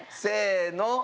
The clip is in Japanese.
せの！